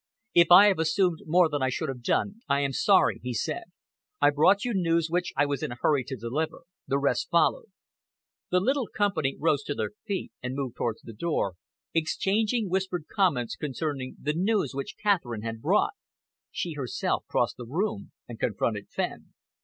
"If I have assumed more than I should have done, I am sorry," he said. "I brought you news which I was in a hurry to deliver. The rest followed." The little company rose to their feet and moved towards the door, exchanging whispered comments concerning the news which Catherine had brought. She herself crossed the room and confronted Fenn.